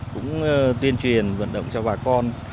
chúng ta cũng tuyên truyền vận động cho bà con